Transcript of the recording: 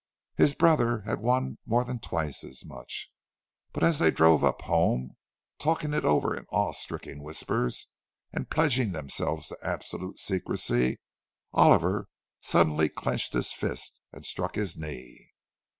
His brother had won more than twice as much. But as they drove up home, talking over it in awe stricken whispers, and pledging themselves to absolute secrecy, Oliver suddenly clenched his fist and struck his knee.